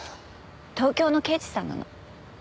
東京の刑事さんなの。